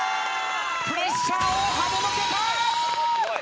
プレッシャーをはねのけた。